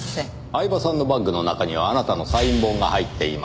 饗庭さんのバッグの中にはあなたのサイン本が入っていました。